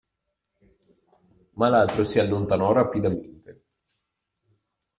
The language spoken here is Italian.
Ma l'altro si allontanò rapidamente.